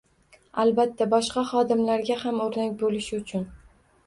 Albatta boshqa xodimlarga ham o‘rnak bo‘lishi uchun.